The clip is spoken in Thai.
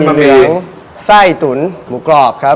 ก็จะมีใส่ตุ๋นหมูกรอบครับ